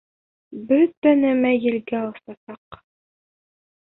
Бөтә нәмә елгә осасаҡ...